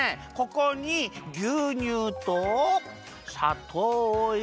ここにぎゅうにゅうとさとうをいれて。